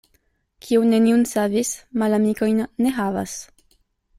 Kiu neniun savis, malamikojn ne havas.